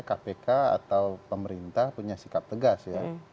kpk atau pemerintah punya sikap tegas ya